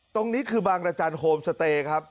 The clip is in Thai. ตรงนี้คือบางราชาโฮมสเตย์ครับ